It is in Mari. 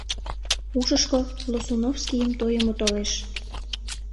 Ушышко Лосуновскийым тойымо толеш.